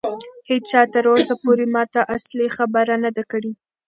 هیچا تر اوسه پورې ماته اصلي خبره نه ده کړې.